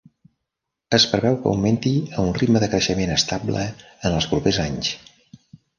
Es preveu que augmenti a un ritme de creixement estable en els propers anys.